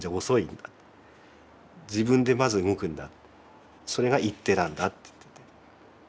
自分でまず動くんだってそれが「行ッテ」なんだって言ってて。